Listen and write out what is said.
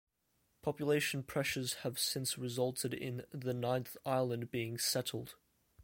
Population pressures have since resulted in the ninth island being settled.